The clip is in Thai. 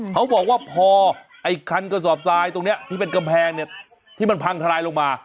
เขาบอกว่าพอไอ้คันกระสอบทรายตรงนี้ที่เป็นกำแพงเนี่ยที่มันพังทลายลงมา